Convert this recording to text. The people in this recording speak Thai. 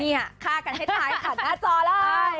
นี่ฆ่ากันให้ท้ายผ่านหน้าจอเลย